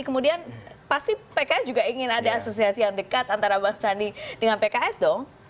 kemudian pasti pks juga ingin ada asosiasi yang dekat antara bang sandi dengan pks dong